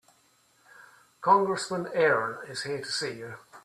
Congressman Aaron is here to see you.